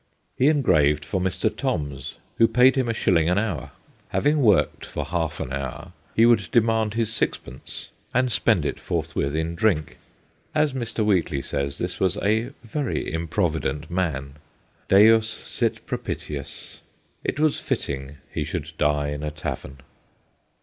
He engraved for Mr. Toms, who paid him a shilling an hour; having worked for half an hour, he would demand his sixpence, and spend it forthwith in drink. As Mr. Wheatley says, this was a very improvident man. Deus sit pro pitius. ... It was fitting he should die in a tavern.